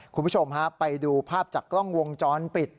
คุณผู้ชมฮะไปดูภาพจากกล้องวงจรปิด